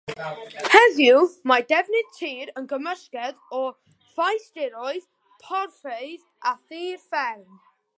Heddiw, mae defnydd tir yn gymysgedd o faestiroedd, porfeydd a thir fferm.